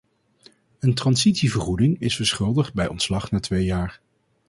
Een transitievergoeding is verschuldigd bij ontslag na twee jaar.